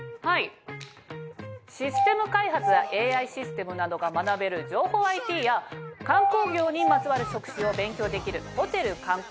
システム開発やＡＩシステムなどが学べる情報ＩＴや観光業にまつわる職種を勉強できるホテル・観光